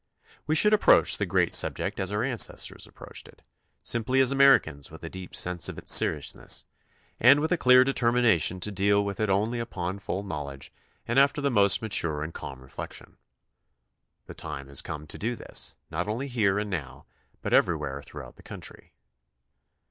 We should approach the great subject as our ancestors approached it — simply as Americans with a deep sense of its seriousness and with 38 THE CONSTITUTION AND ITS MAKERS a clear determination to deal with it only upon full knowledge and after the most mature and calm reflec tion. The time has come to do this, not only here and now, but everywhere throughout the country.